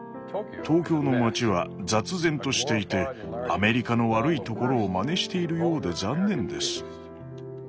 東京の街は雑然としていてアメリカの悪いところを真似しているようで残念です。